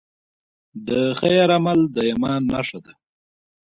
د خیر عمل د ایمان نښه ده.